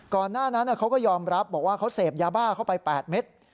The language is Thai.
หน้านั้นเขาก็ยอมรับบอกว่าเขาเสพยาบ้าเข้าไป๘เม็ด